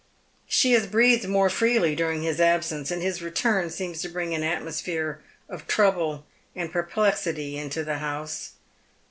She has breathed more freely during his absence, and his return Beems to bring an atmosphere of trouble and perplexity into the house.